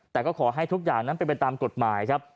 แต่ก็ขอให้ทุกอย่างนั้นเป็นไปตามกฎหมายครับ